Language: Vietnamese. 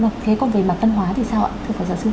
thế còn về mặt tân hóa thì sao ạ